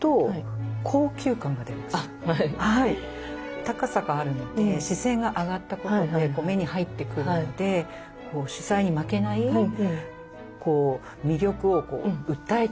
高さがあるので視線が上がったことで目に入ってくるので主菜に負けない魅力を訴えてくるように見えます。